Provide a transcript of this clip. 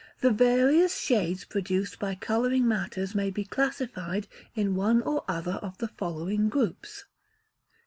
The various shades produced by colouring matters may be classed in one or other of the following groups: 1.